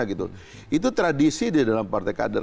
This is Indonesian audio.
itu tradisi di dalam partai kader